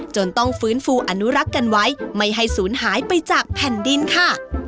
จนต้องฟื้นฟูอนุรักษ์กันไว้ไม่ให้ศูนย์หายไปจากแผ่นดินค่ะ